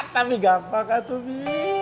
tapi gampang kan tuh bi